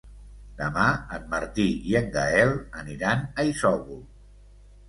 Demà en Martí i en Gaël aniran a Isòvol.